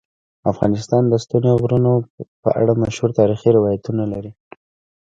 افغانستان د ستوني غرونه په اړه مشهور تاریخی روایتونه لري.